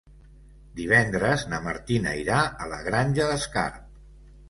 Divendres na Martina irà a la Granja d'Escarp.